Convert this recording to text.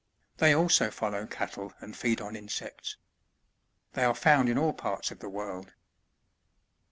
They also follow cattle and feed on insects. They are found in all parts of the world.